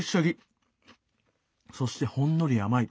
そしてほんのり甘い。